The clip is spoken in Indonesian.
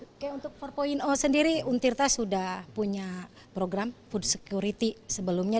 oke untuk empat sendiri untirta sudah punya program food security sebelumnya